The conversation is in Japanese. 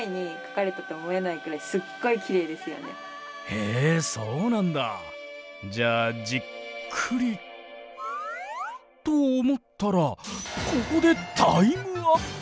へえそうなんだじゃあじっくりと思ったらここでタイムアップ。